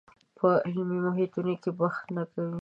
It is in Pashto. په علمي محیطونو کې بحث نه کوي